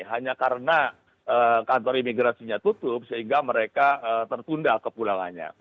hanya karena kantor imigrasinya tutup sehingga mereka tertunda kepulangannya